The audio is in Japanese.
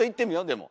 でも。